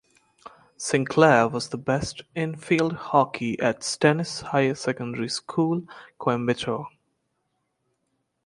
Sinclair was the best in Field Hockey at Stanes Higher Secondary School, Coimbatore.